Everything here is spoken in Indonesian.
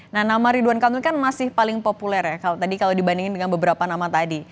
nah nama ridwan kamil kan masih paling populer ya kalau tadi kalau dibandingin dengan beberapa nama tadi